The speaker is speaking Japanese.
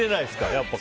やっぱり。